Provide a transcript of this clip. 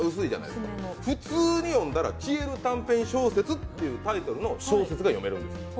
普通に読んだら「消える短編小説」というタイトルの小説が読めるんです。